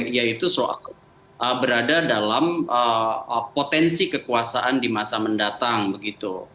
yaitu berada dalam potensi kekuasaan di masa mendatang begitu